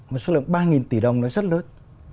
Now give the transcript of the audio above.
một số lượng ba nghìn tỷ đồng là rất lớn